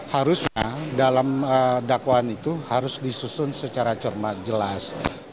harusnya dalam dakwaan itu harus disusun secara cermat jelas